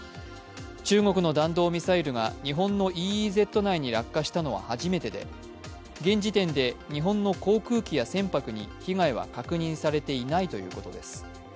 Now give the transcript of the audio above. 中国の弾道ミサイルが日本のＥＥＺ内に落下したのは初めてで現時点で日本の航空機や船舶に被害は確認されていないということです。